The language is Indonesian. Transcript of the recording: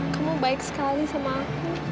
kamu baik sekali sama aku